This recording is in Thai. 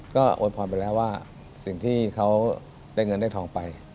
ก็โอยพรไปแล้วว่าสิ่งที่เขาได้เงินได้ทองไป